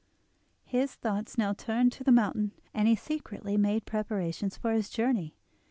His thoughts now turned to the mountain, and he secretly made preparations for his journey.